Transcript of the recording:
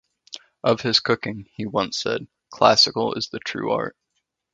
Of his cooking he once said, Classical is the true art.